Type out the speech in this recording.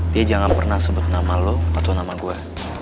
dia jangan pernah sebut nama lo atau nama gue